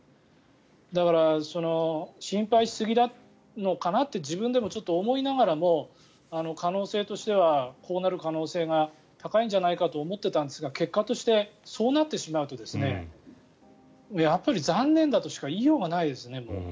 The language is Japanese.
だから、心配しすぎなのかなって自分でも思いながらも、可能性としてはこうなる可能性が高いんじゃないかと思っていたんですが結果としてそうなってもやっぱり残念だとしか言いようがないですね。